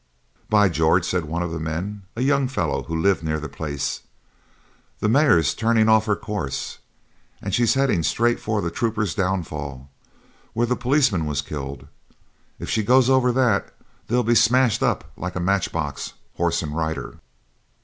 'By George!' said one of the men a young fellow who lived near the place 'the mare's turning off her course, and she's heading straight for the Trooper's Downfall, where the policeman was killed. If she goes over that, they'll be smashed up like a matchbox, horse and rider.'